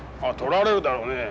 ああ取られるだろうね。